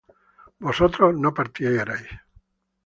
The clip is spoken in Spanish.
vosotros no partierais